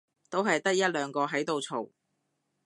都係得一兩個喺度嘈